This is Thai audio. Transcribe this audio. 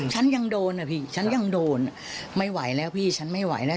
ฉันยังโดนอ่ะพี่ฉันยังโดนไม่ไหวแล้วพี่ฉันไม่ไหวแล้ว